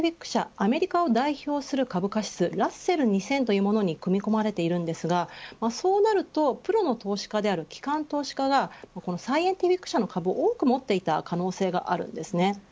アメリカを代表する株価指数ラッセル２０００というものに組み込まれているんですがそうなるとプロの投資家である機関投資家がこのサイエンティフィック社の株を多く持っていた可能性があるんです。